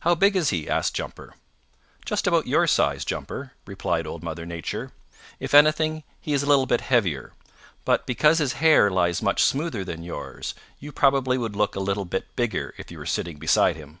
"How big is he?" asked Jumper. "Just about your size, Jumper," replied Old Mother Nature. "If anything, he is a little bit heavier. But because his hair lies much smoother than yours, you probably would look a little bit bigger if you were sitting beside him.